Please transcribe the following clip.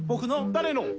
「誰の？」